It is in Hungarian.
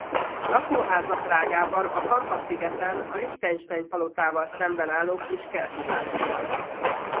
Lakóháza Prágában a Kampa-szigeten a Liechtenstein-palotával szemben álló kis kerti ház volt.